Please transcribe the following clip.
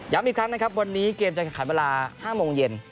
ย้ำอีกครั้งนะครับวันนี้เกมจังหาคันเวลา๕โมงเย็น